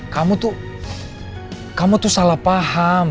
kamu tuh kamu tuh salah paham